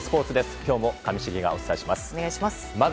今日も上重がお伝えします。